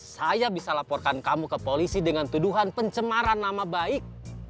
saya bisa laporkan kamu ke polisi dengan tuduhan pencemaran nama baik